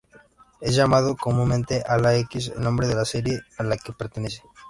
Es llamado comúnmente Ala-X, el nombre de la serie a la que pertenece.